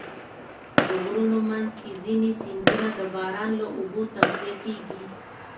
د غرونو منځ کې ځینې سیندونه د باران له اوبو تغذیه کېږي.